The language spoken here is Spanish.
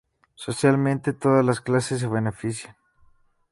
Socialmente todas las clases se benefician.